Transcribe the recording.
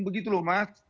begitu loh mas